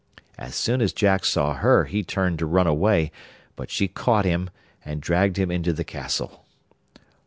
As soon as Jack saw her he turned to run away, but she caught him, and dragged him into the castle.